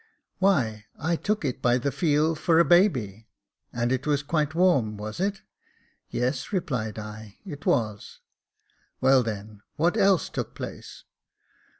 ' Why, I took it by the feel for a baby.' ' And it was quite warm, was it ?'' Yes,' replied I, * it was.' ' Well then, what else took place